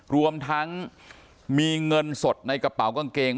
รวมทั้งมีเงินสดในกระเป๋ากางเกง